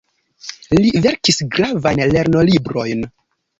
Li verkis gravajn lernolibrojn.